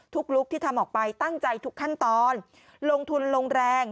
ลุคที่ทำออกไปตั้งใจทุกขั้นตอนลงทุนลงแรง